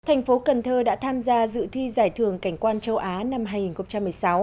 thành phố cần thơ đã tham gia dự thi giải thưởng cảnh quan châu á năm hai nghìn một mươi sáu